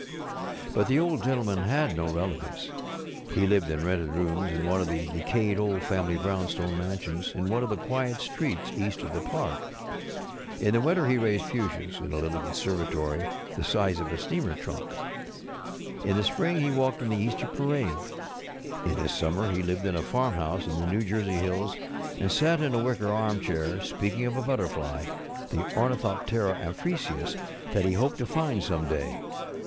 But the Old Gentleman had no relatives. He lived in rented rooms in one of the decayed old family brownstone mansions in one of the quiet streets east of the park. In the winter he raised fuchsias in a little conservatory the size of a steamer trunk. In the spring he walked in the Easter parade. In the summer ho lived at a farmhouse in the New Jersey hills, and sat in a wicker armchair, speaking of a but┬¼ terfly, the ornithoptcra amphrisius, that he hoped to And some day.